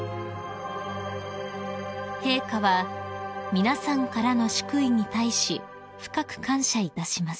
［陛下は「皆さんからの祝意に対し深く感謝いたします」